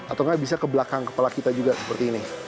atau nggak bisa ke belakang kepala kita juga seperti ini